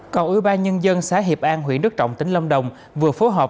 cầu ủy ban nhân dân xã hiệp an huyện đức trọng tỉnh lâm đồng vừa phối hợp